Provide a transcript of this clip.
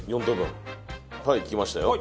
はい切りましたよ。